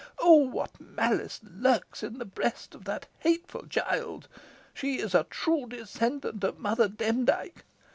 Oh! what malice lurks in the breast of that hateful child! She is a true descendant of Mother Demdike.